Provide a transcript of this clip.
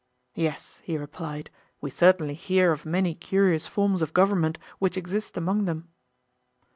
Yes, he replied, we certainly hear of many curious forms of government which exist among them.